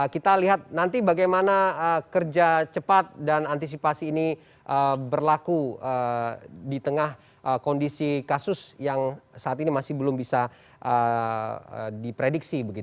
kita lihat nanti bagaimana kerja cepat dan antisipasi ini berlaku di tengah kondisi kasus yang saat ini masih belum bisa diprediksi